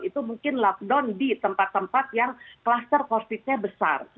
itu mungkin lockdown di tempat tempat yang kluster covid nya besar